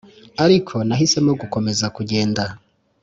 ariko, nahisemo gukomeza kugenda.